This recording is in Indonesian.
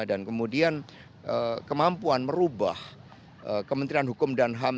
dan kemudian kemampuan merubah kementerian hukum dan ham